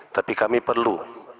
tapi kami perlu